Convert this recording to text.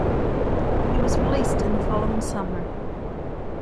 He was released in the following summer.